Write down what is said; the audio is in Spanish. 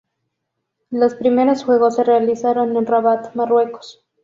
Los primeros juegos se realizaron en Rabat, Marruecos.